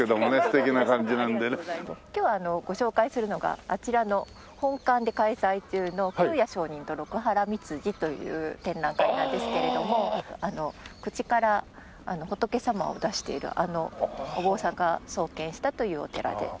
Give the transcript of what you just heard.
今日はご紹介するのがあちらの本館で開催中の「空也上人と六波羅蜜寺」という展覧会なんですけれども口から仏様を出しているあのお坊さんが創建したというお寺で。